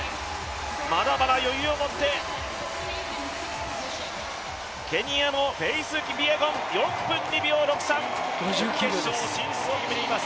まだまだ余裕をもって、ケニアのフェイス・キピエゴン、４分２秒６３、決勝進出を決めています。